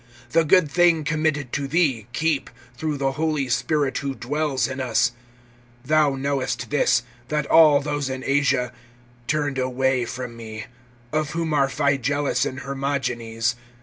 (14)The good thing committed to thee keep, through the Holy Spirit who dwells in us. (15)Thou knowest this, that all those in Asia turned away from me; of whom are Phygellus and Hermogenes.